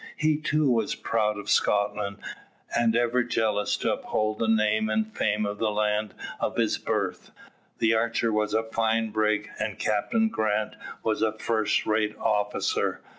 He too was proud of Scotland, and ever jealous to uphold the name and fame of the land of his birth. The Archer was a fine brig, and Captain Grant was a first rate officer.